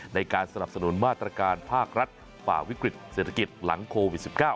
ในการสนับสนุนมาตรการภาครัฐฝ่าวิกฤตเศรษฐกิจหลังโควิด๑๙